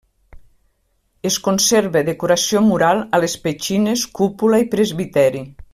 Es conserva decoració mural a les petxines, cúpula i presbiteri.